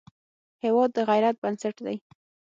هېواد د غیرت بنسټ دی.